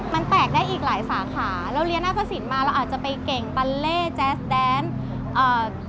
มันแตกได้อีกหลายสาขาเราเรียนหน้าตสินมาเราอาจจะไปเก่งบัลเล่แจ๊สแดนเอ่อ